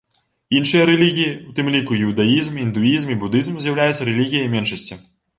Іншыя рэлігіі, у тым ліку іудаізм, індуізм і будызм, з'яўляюцца рэлігіяй меншасці.